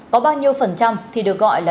có bao nhiêu phần trăm thì được gọi là